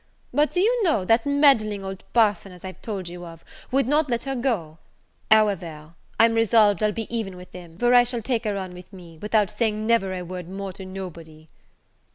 But, do you know, that meddling old parson, as I told you of, would not let her go: however, I'm resolved I'll be even with him; for I shall take her on with me, without saying never a word more to nobody."